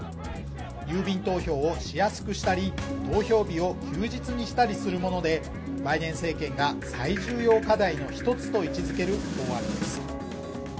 郵便投票をしやすくしたり投票日を休日にしたりするものでバイデン政権が最重要課題の一つと位置づける法案です。